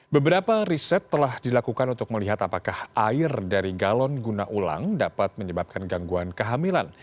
beberapa riset telah dilakukan untuk melihat apakah air dari galon guna ulang dapat menyebabkan gangguan kehamilan